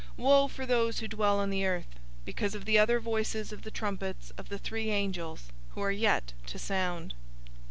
Woe for those who dwell on the earth, because of the other voices of the trumpets of the three angels, who are yet to sound!"